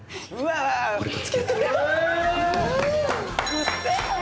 くっせえ！